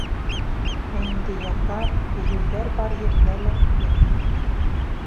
Ә инде йырҙар, бейеүҙәр бар ерҙә лә бер.